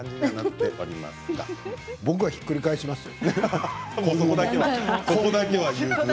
僕はひっくり返しますよ。